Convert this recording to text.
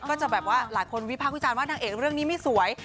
ก็จะแบบว่าหลายคนวิพากษ์วิจารณว่านางเอกเรื่องนี้ไม่สวย